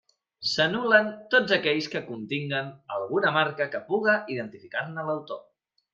S'anul·len tots aquells que continguen alguna marca que puga identificar-ne l'autor.